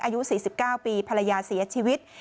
อายุ๔๙ปีภรรยาเสียชีวิต